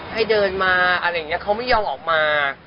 ให้เดินมาเขาไม่ยอมออกมา